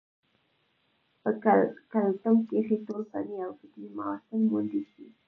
پۀ کلتم کښې ټول فني او فکري محاسن موندے شي